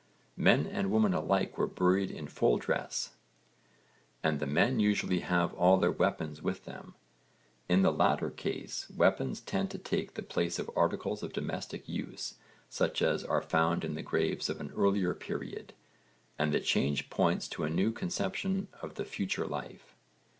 Men and women alike were buried in full dress, and the men usually have all their weapons with them. In the latter case weapons tend to take the place of articles of domestic use such as are found in the graves of an earlier period, and the change points to a new conception of the future life.